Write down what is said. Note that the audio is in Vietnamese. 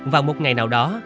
và một ngày nào đó